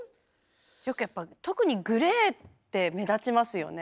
よくやっぱ特にグレーって目立ちますよね。